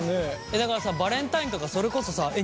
だからさバレンタインとかそれこそさえっ